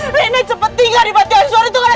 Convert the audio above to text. rina cepet tinggal di batayan soreola marta